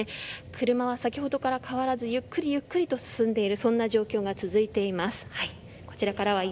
車は先ほどから変わらずゆっくりと進んでいる状況が続いています。